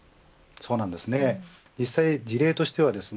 実際、事例としてはですね